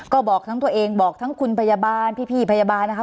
ก็บอกทั้งตัวเองบอกทั้งคุณพยาบาลพี่พยาบาลนะคะ